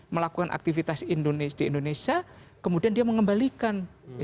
melakukan aktivitas di indonesia kemudian dia mengembalikan